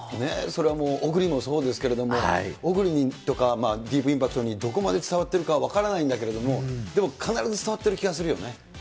それはオグリもそうですけど、オグリとかディープインパクトにどこまで伝わってるか分からないんだけれども、でも必ず伝わってる気がするよね。